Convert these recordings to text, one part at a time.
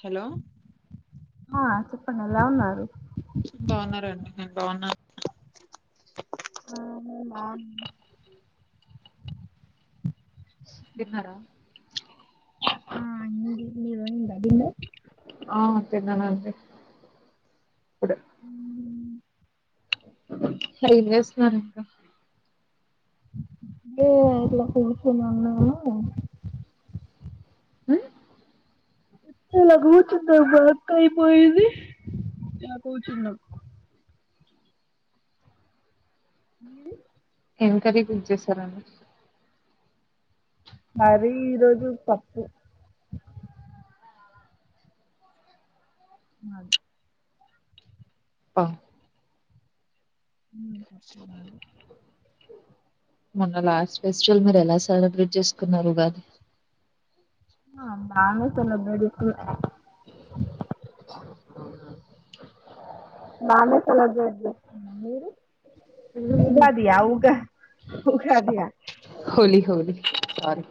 Hello ఆ చెప్పండి ఎలా ఉన్నారు. బాగున్నారా [inaudible] నేను బాగున్నాను. ఆ నేన్ బాగున్నాను. తిన్నరా. మీరు అయింద డిన్నర్. ఆ తిన్నానండీ. ఇప్పుడె. ఏం జేస్తున్నారండీ ఏ ఇట్ల కూర్చొని ఉన్నాను ఉమ్ ఇలా గూర్చున్నం వర్క్ అయిపోయిది ఇలా కూర్చున్నాం మీరు ఏమ్ కర్రీ కుక్ చేసారండి మాది ఈరోజు పప్పు మాద్ అ మొన్న లాస్ట్ ఫెస్టివల్ మీరెలా సెలబ్రేట్ చేసుకున్నారుగాది ఆ బానే సెలెబ్రేట్ జేసుకున్న అ బానే సెలెబ్రేట్ జేస్కున్నాం మీరు ఉగాదియా ఉగా ఉగాదియా హోలీ హోలీ సారీ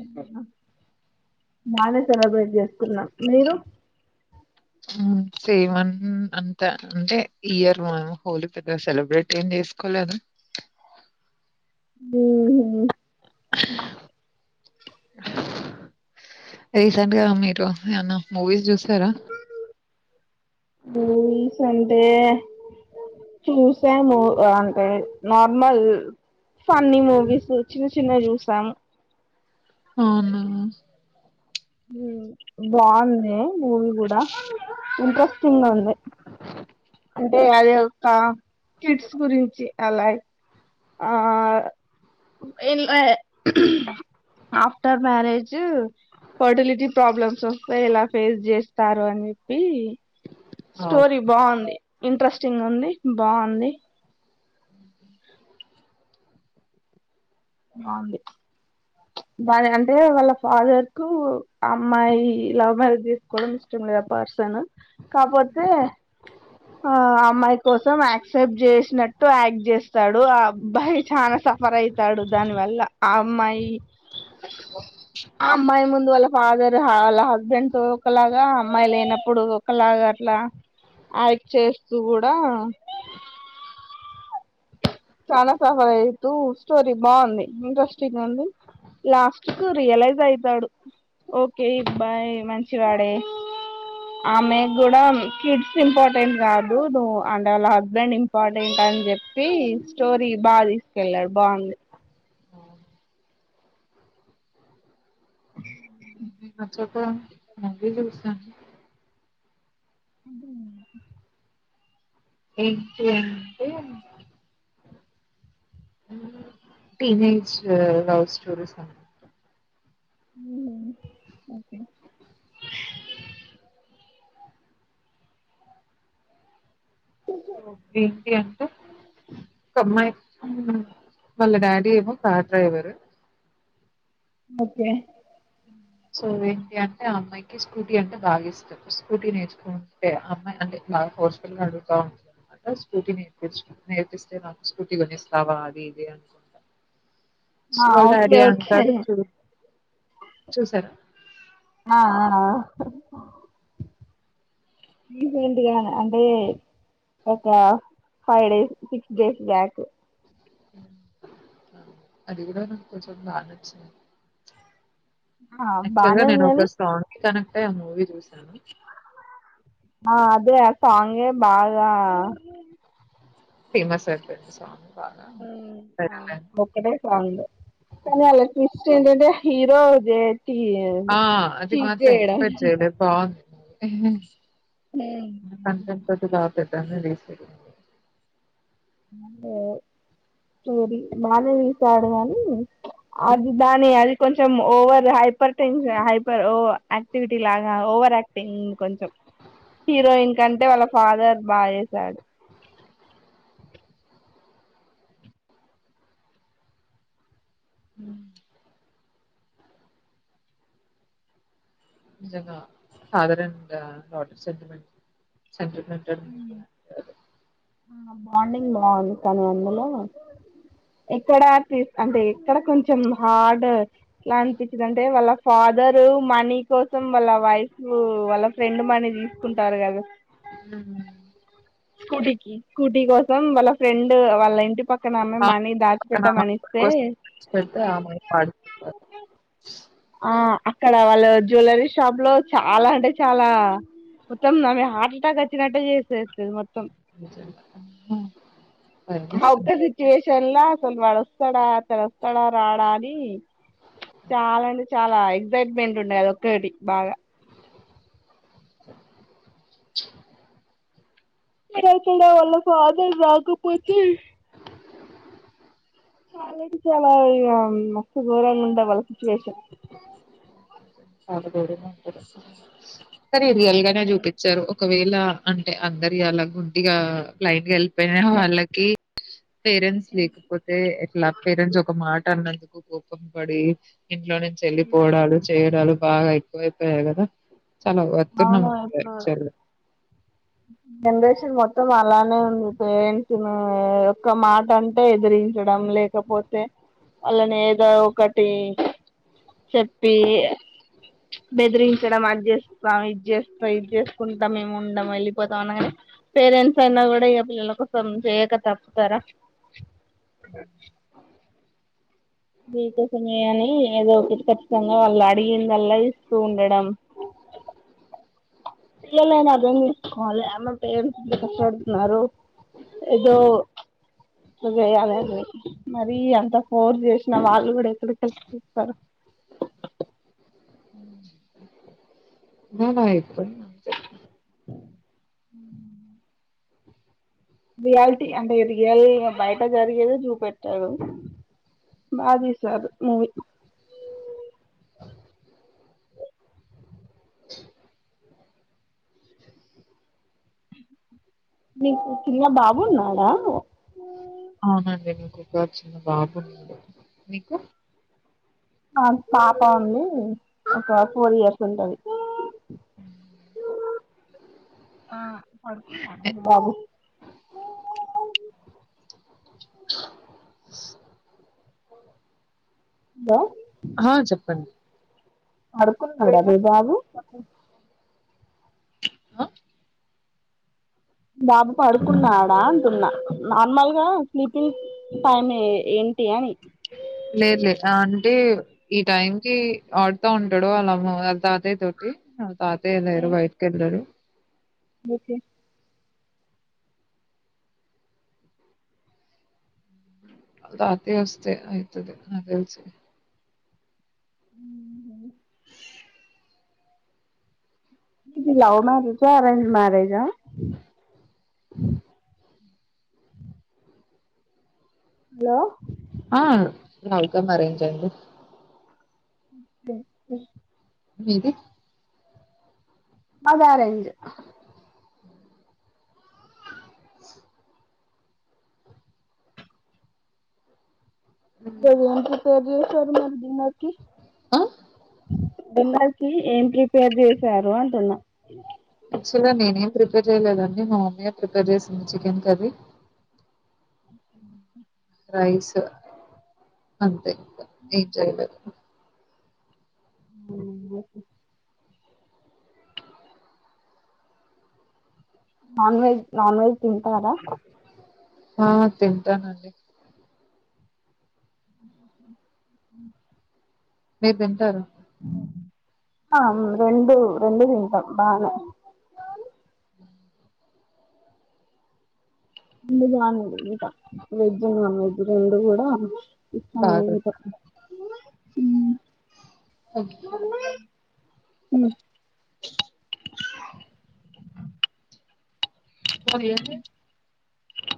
ఉమ్ అ బాగే సెలబ్రేట్ జేసుకున్నాం మీరు ఉమ్ సేమన్ అంత అంటే ఈ ఇయర్ మనం హోలీ పెద్దగ సెలబ్రేట్ ఏం జేసుకోలేదు ఉమ్ హు రీసెంట్గా మీరు ఏమన్న మూవీస్ చూసారా మూవీస్ అంటే చూసాము అంటె నార్మల్ ఫన్ని మూవీసు చిన్న చిన్నవి చూసామ్ ఔనా ఏ బాంది మూవి గూడా ఇంట్రెస్ తుండ ఉంది అంటే అది ఒక్క కిట్స్ గురించి అలా ఆ ఇల్ ఏ ఆఫ్టర్ మ్యారేజ్ ఫర్టిలిటీ ప్రాబ్లమ్స్ ఒస్తే ఎలా ఫేస్ చేస్తారు అని చెప్పి అవు స్టోరి బాంది ఇంట్రెస్టింగుంది బావుంది బాంది వాళ్లని అంటే వాళ్ళ ఫాదర్ కు అమ్మాయి లవ్ మ్యారేజ్ చేసుకోవడం ఇష్టం లేదు ఆ పర్సన్ కాపోతే ఆ అమ్మాయి కోసం యాక్సెప్ట్ చేషినట్టు యాక్ట్ చేస్తాడు ఆ అబ్బాయి చనా సఫరయితాడు దాని వల్ల ఆ అమ్మాయి ఆ అమ్మాయ్ ముందు వాళ్ల ఫాదర్ హా వాళ్ళ హస్బెండ్ తో ఒకలాగా అమ్మాయి లేనప్పుడు ఒకలాగా అట్ల యాక్ట్ చేస్తూ గూడా చాలా సఫరయితూ స్టోరీ బాంది ఇంట్రెస్టింగ్ ఉంది లాస్ట్ కు రియలైజయితాడు ఓకే ఇబ్బాయ్ మంచివాడే ఆమెగ్గూడా కిడ్స్ ఇంపార్టెంట్ కాదు నువు అంటే వాళ్ళ హస్బెండ్ ఇంపార్టెంట్ అన్ జెప్పి స్టోరి బాదీసుకెళ్లారు బాంది ఉమ్హూ అ చెప్పు [unintelligible] అదే ఎంటి అంటే టీనేజ్ లవ్ స్టోరీస్ అనుకుంటా ఉమ్ ఓకే ఆ సొ ఏంటి అంటే ఒక అమ్మాయి వాళ్ళ డాడీ ఏమో కార్ డ్రైవరు ఓకే సో ఏంటి అంటే ఆ అమ్మాయికి స్కూటీ అంటే బాగా ఇష్టం స్కూటీ నేర్చుకుంటే అమ్మాయి అంటే బాగా ఫోర్సఫుల్గా అడుగుతా ఉంటుందినమాట స్కూటీ నేర్పిస్తు నేర్పిస్తే నాకు స్కూటీ కొనిస్తావా అది ఇది అనుకుంటా సో హా వాళ్ళ ఓకే డాడీ ఓకే చూసారు ఆ ఆ రీసెంట్ గా అంటే ఒక five days six days back అది కూడా నాకొంచం బానచ్చింది ఆ యాక్టుల్ల్య్ గ బానే ఉంది కాని నేనొక సాంగ్ కి కనెక్ట్ అ మూవీ చూసాను ఆ అదే సాంగే బాగా ఫేమస్ అయిపోయింది సాంగ్ బాగా. హ్మ్ ఆ సరేలే. ఒకటే సాంగ్ కానీ అలా ట్విస్ట్ ఏంటంటే హీరో ఆ అది చీట్ మాత్రం చేయడం ఎక్స్పెక్ట్ చేయలేదు బాగుంది మూవీ ఆ [unintelligible] రేషెడ్యూల్ కొట్టు బానే తీసాడు గాని హ్మ్. అది దాని అ కొంచెం ఓవర్ హైపర్ టెన్షన్ హైపర్ ఓ యాక్టివిటీ లాగా ఓవర్ యాక్టింగ్ కొంచెం హీరోయిన్ కంటే వాళ్ళ ఫాదర్ బాగా చేసాడు హ్మ్ నిజంగా ఫాదర్ అండ్ డాటర్ సెంటిమెంట్ స [unintelligible] బాండింగ్ బాగుంది తను అందులో ఇక్కడ లీజ్ అంటే ఇక్కడ కొంచెం హార్డ్ ఎలా అనిపించింది అంటే వాళ్ళ ఫాదర్ మనీ కోసం వాళ్ళ వైఫ్ వాళ్ళ ఫ్రెండ్ మనీ తీసుకుంటారు కదా హ్మ్. స్కూటీకి స్కూటీ కోసం వాళ్ళ ఫ్రెండ్ వాళ్ళ ఇంటి ఇంటి పక్కనమే ఆ! మణి దాచి పక్కన అమ్మాయి పెట్టమనిస్తే కోసం తెచ్చిపెడితే ఆ అమ్మాయి పాడుతున్నారు ఆ అక్కడ వాళ్ళు జ్యువెలరీ షాప్ లో చాలా అంటే చాలా మొత్తం ఆమె హార్ట్ అటాక్ వచ్చినట్టటు చేసేస్తుంది మొత్తం నిజంగా. హ్మ్. ఆ భయమేస్తుంది. ఒక సిచువేషన్ చెల్ల అసలు వడస్తాడా తెడస్తాడా రాడా అని చాలా అంటే చాలా ఎక్సైట్మెంట్ ఉండది అది ఒక్కటి బాగా ఎటళ్తాడో వల్ల ఫాదర్ ఇక పోతే ఇగ మస్త్ గోరంగ ఉంటర్ వల సిచువేషన్ చాల దది నాకు తెలుసు ర రియల్ గనే చూపించారు ఒకవేళ అంటే అందరి అలా గుడ్డి గా లైన్ గా వెళ్ వెళ్లిన వాళ్ళకి [inaudible] పేరెంట్స్ లేకపోతే ఎట్లా పేరెంట్స్ ఒక మాట ట అన్నందుకు కోపం పడి ఇంట్లో నుంచి వెళ్లిపోడాలు చేయడాలు బాగా ఎక్కువ అయిపోయాయి కదా చాల వత్తున్నా అవును ఇప్పుడు చల్ జనరేషన్ మొత్తం అలానే ఉంది పేరెంట్స్ ని ఒక్క మాట అంటే ఎదిరించడం లేకపోతే వాళ్ళని ఏదో ఒకటి చెప్పి బెదిరించడం అది చేస్తాం ఇది చేస్తా ఇది చేసుకుంటా మేము ఉండం వెళ్ళి పోతాం అనగాని పేరెంట్స్ అయినా కూడా ఇక పిల్లల కోసం చేయక తప్పుతారా దీని కోసమే అని ఏదో ఇ కచ్చితంగా వాళ్ళు అడిగిందల్లా ఇస్తూ ఉండడం [inaudible] పిల్లలేనని అదేం తీసుకోవాలి అమ పేరెంట్స్ ఇ కష్టపడుతున్నారు ఏదో చేయాలదు మరీ అంత ఫోర్స్ చేసిన వాళ్ళు కూడా ఎక్కడికెళ్ళి పోతారు నా నాయ [inaudible] రియాలిటీ అంటే రియల్ బయట జరిగేదె చూపెడతారు బా తీసారు మూవీ [inaudible] నీకు చిన్న బాబున్నాడా అవునండి నాకు ఒక చిన్న బాబున్నాడు మీకు నాకు పాప ఉంది ఒక ఫోర్ ఇయర్స్ ఉంటది [inaudible] ఆ పడుకున్నాడా ఎ మీ బాబు [inaudible] హలో ఆ చెప్పండి పడుకున్నాడా మీ బాబు హ బాబు పడుకున్నాడా అంటున్నా నార్మల్గా స్లీపింగ్ టైమ్ ఏం లేదు లే ఆ అంటే ఈ టైం కి ఆడుతా ఉంటాడు వాళ్ళమ్మ వాళ్ తాతయ్ తోటి తాతయ్య లేడు బయిటికెళ్లాడు ఓకే వాళ్ తాతయ్య వొస్తే అయితది నాక్ తెల్సి [inaudible] [unintelligible] మీది లవ్ మ్యారేజా అరేంజ్డ్ మ్యారేజా హలో ఆ లవ్ కమ్ అరేంజ్ అండి [inaudible] మీది మాది అరేంజ్ [inaudible] [inaudible] కి ఆ [inaudible] కి ఏం ప్రిపేర్ చేసారు అంటున్నా యాక్చుల్గ నేనేం ప్రిపేర్ చేయలేదండి మా మమ్మీయే ప్రిపేర్ చేసింది చికెన్ కర్రీ రైసు అంతే ఏం చేయలేద్ um okay non veg non veg తింటారా ఆ తింటానండి మీరు తింటారా ఆ మేమ్ రెండూ రెండు తింటాం బానే ఇందు బావున్నాది ఇంకా వెజ్ నాన్ వెజ్ రెండు కూడా బాగా [inaudible] ఓకే ఉమ్ చెప్పాలి ఏం చేస్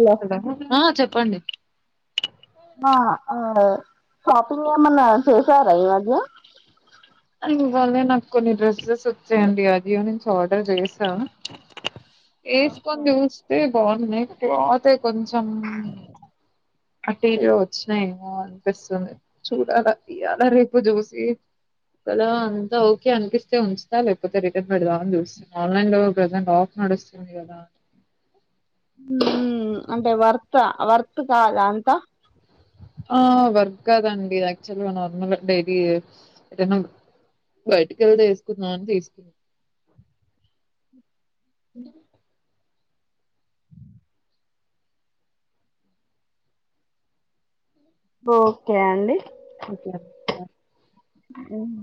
హలో [inaudible] ఆ చెప్ పండి ఆ ఆ షాపింగ్ ఎమన్నా చేేసారా ఈమధ్య అ ఇవాళే నాకు కొన్ని డ్రెస్సెస్ వచ్చాయండి అజియో నుంచి ఆర్డర్ చేసా ఏస్కొని జూస్తే బాగున్నాయ్ క్లాతే కొంచెం చెమ్ అటీఇంగ వచ్చినా ఏమో అనిపిస్తుంది చూడాలా ఇాలా రేపు చూసి కదా అంతా ఓకే అనిపిస్తే ఉంచుతా లేకపోతే రిటర్న్ పెడదా అని చూస్తుంది ఆన్లైన్ లో ప్రజెంట్ ఆఫ్ నడుస్తుంది కదా హమ్ అంటే వర్త్ వర్త్ కదా అంతా ఆ వర్క్ కదండి యాక్చువల్ నార్మల్ డైలీ ఏటు అయినా బయటికి వెళ్ళ వేసుకుందామని తీసుకుని హమ్ ఒకే అండి ఓకే బ హమ్